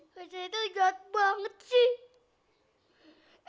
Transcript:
kak zedir jatuh banget sih